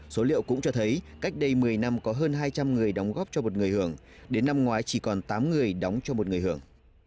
số liệu cũng cho thấy cách đây một mươi năm có hơn hai trăm linh người đóng góp cho một người hưởng đến năm ngoái chỉ còn tám người đóng cho một người hưởng